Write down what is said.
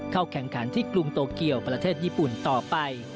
เข้าแข่งขันที่กรุงโตเกียวประเทศญี่ปุ่นต่อไป